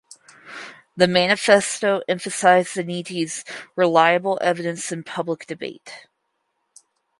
The manifesto emphasised the need to use reliable evidence in public debate.